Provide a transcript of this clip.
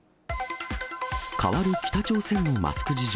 変わる北朝鮮のマスク事情。